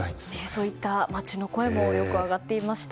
そういった街の声もよく上がっていました。